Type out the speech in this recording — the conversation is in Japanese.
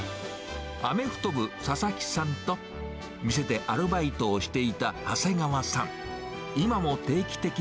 アメフト部、佐々木さんと店でアルバイトをしていた長谷川さん。